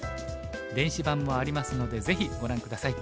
電子版もありますのでぜひご覧下さい。